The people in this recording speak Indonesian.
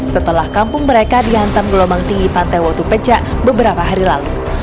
setelah kampung mereka dihantam gelombang tinggi pantai watu pecah beberapa hari lalu